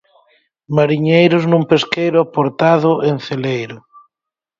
Mariñeiros nun pesqueiro aportado en Celeiro.